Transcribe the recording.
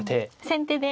先手で。